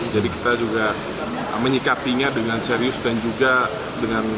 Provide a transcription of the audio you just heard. jadi kita juga menyikapinya dengan serius dan juga dengan